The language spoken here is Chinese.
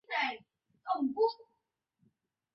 故事就是发生于肖恩的上班以及家庭生活展开。